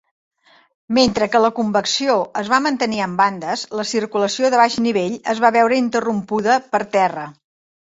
Mentre que la convecció es va mantenir en bandes, la circulació de baix nivell es va veure interrompuda per terra.